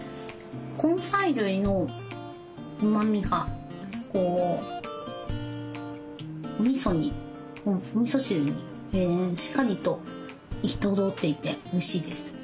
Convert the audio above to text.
根菜類のうまみがおみそ汁にしっかりと行き届いていておいしいです。